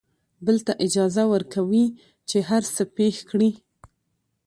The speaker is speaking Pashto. بل ته اجازه ورکوي چې هر څه پېښ کړي.